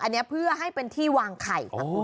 อันนี้เพื่อให้เป็นที่วางไข่ค่ะ